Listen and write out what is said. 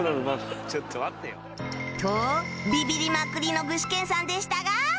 とビビりまくりの具志堅さんでしたが